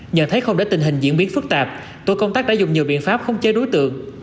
nhận thấy không để tình hình diễn biến phức tạp tổ công tác đã dùng nhiều biện pháp không chế đối tượng